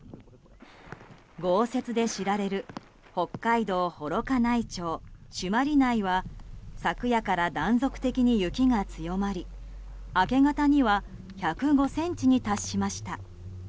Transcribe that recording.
豪雪で知られる北海道幌加内町朱鞠内は昨夜から断続的に雪が強まり明け方には１０５ｃｍに達しました。